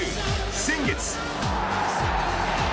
先月。